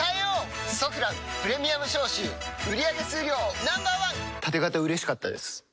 「ソフランプレミアム消臭」売り上げ数量Ｎｏ．１タテ型嬉しかったです！